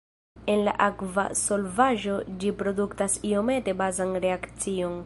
En akva solvaĵo ĝi produktas iomete bazan reakcion.